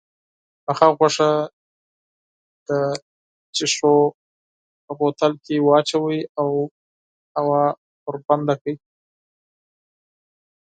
پخه غوښه د شيشو په بوتلو کې واچوئ او هوا پرې بنده کړئ.